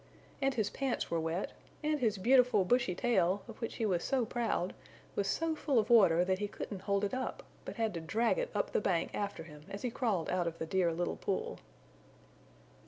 And his pants were wet and his beautiful bushy tail, of which he was so proud, was so full of water that he couldn't hold it up, but had to drag it up the bank after him as he crawled out of the Dear Little Pool.